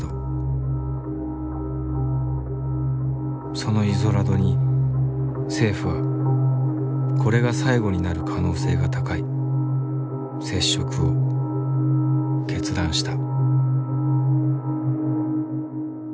そのイゾラドに政府はこれが最後になる可能性が高い接触を決断した。